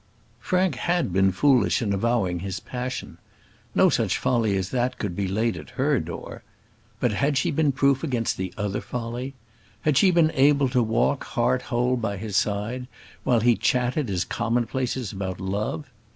Frank had been foolish in avowing his passion. No such folly as that could be laid at her door. But had she been proof against the other folly? Had she been able to walk heart whole by his side, while he chatted his commonplaces about love?